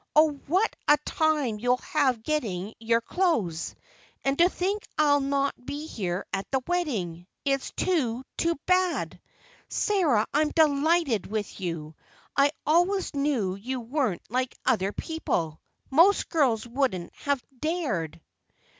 Oh, what a time you will have getting your clothes! And to think I'll not be here at the wedding—it's too, too bad. Sarah, I'm just delighted with you. I always knew you weren't like other people; most girls wouldn't have dared."